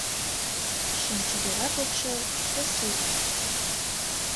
Шем чодыра покшел ты суртыш